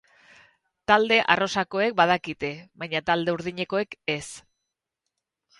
Talde arrosakoek badakite, baina talde urdinekoek ez.